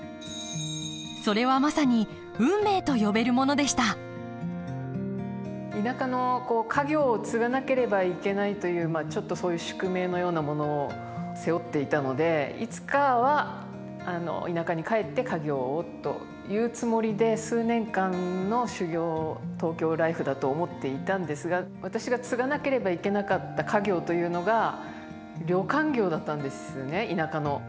それはまさに運命と呼べるものでした田舎の家業を継がなければいけないというちょっとそういう宿命のようなものを背負っていたのでいつかは田舎に帰って家業をというつもりで数年間の修業東京ライフだと思っていたんですが私が継がなければいけなかった家業というのが旅館業だったんですね田舎の。